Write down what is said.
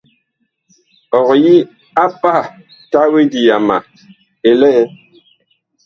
Ɔg yi a pah tawedi yama ɛ lɛ ?